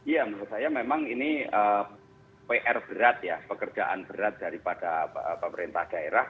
ya menurut saya memang ini pr berat ya pekerjaan berat daripada pemerintah daerah